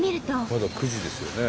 まだ９時ですよね。